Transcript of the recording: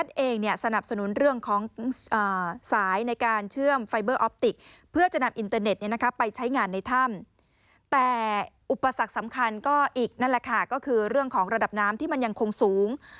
แต่อุปสรรคสำคัญก็อีกนั่นแหละค่ะก็คือเรื่องของระดับน้ำที่มันยังคงสูง